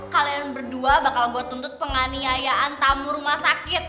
kalian berdua bakal gue tuntut penganiayaan tamu rumah sakit